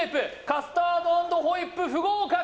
カスタード＆ホイップ不合格！